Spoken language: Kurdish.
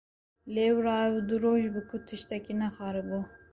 Lewra ev du roj bû ku tiştekî nexwaribû.